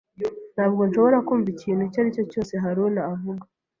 Ntabwo nshobora kumva ikintu icyo ari cyo cyose Haruna avuga.